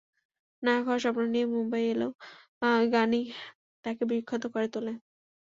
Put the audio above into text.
নায়ক হওয়ার স্বপ্ন নিয়ে মুম্বাই এলেও গানই তাঁকে বিখ্যাত করে তোলে।